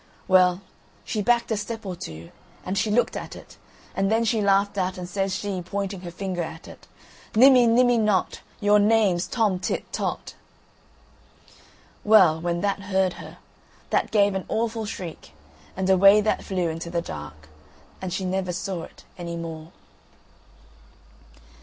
Well, she backed a step or two, and she looked at it, and then she laughed out, and says she, pointing her finger at it: "NIMMY NIMMY NOT, YOUR NAME'S TOM TIT TOT!" Well, when that heard her, that gave an awful shriek and away that flew into the dark, and she never saw it any more.